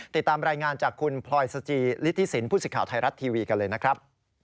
ติดตามรายงานจากคุณพลอยสจีริฐศิลป์พูดสิทธิ์ข่าวไทยรัตน์ทีวีกันเลยนะครับ